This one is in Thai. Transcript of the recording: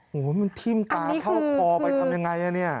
โอ้โหมันทิ่มตาเข้าคอไปทำยังไงอ่ะเนี่ย